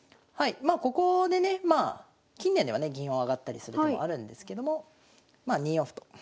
まあここでねまあ近年ではね銀を上がったりする手もあるんですけどもまあ２四歩と。